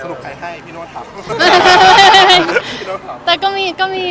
สนุกใครให้พี่นุมต้องทำ